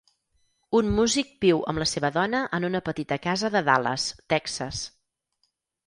Un músic viu amb la seva dóna en una petita casa de Dallas, Texas.